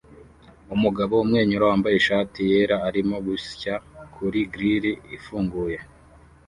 Umugabo umwenyura wambaye ishati yera arimo gusya kuri grill ifunguye